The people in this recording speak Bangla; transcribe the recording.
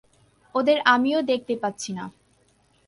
ওদের আমিও দেখতে পাচ্ছি না।